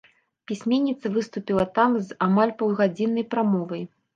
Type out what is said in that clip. Пісьменніца выступіла там з амаль паўгадзіннай прамовай.